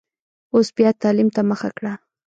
اوس بیا تعلیم ته مخه کړه.